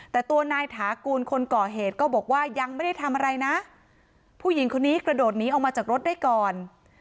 แต่ตัวนายถากูลคนก่อเหตุก็บอกว่ายังไม่ได้ทำอะไรนะผู้หญิงคนนี้กระโดดหนีออกมาจากรถได้ก่อน